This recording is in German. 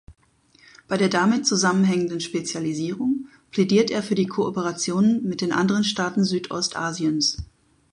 Bei der damit zusammenhängenden Spezialisierung plädiert er für Kooperationen mit den anderen Staaten Südostasiens.